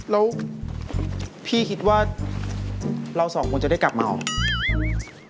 แล้วพี่คิดว่าเราสองคนจะได้กลับมาเอา